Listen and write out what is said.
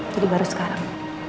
jadi baru sekarang